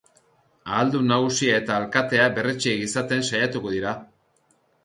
Ahaldun nagusia eta alkatea berretsiak izaten saiatuko dira.